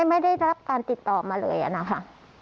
ไม่ได้รับติดตอบมาเลยอ่ะนะคะ